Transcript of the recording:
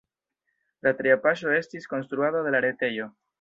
La tria paŝo estis konstruado de la retejo.